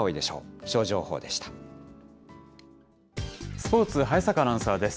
スポーツ、早坂アナウンサーです。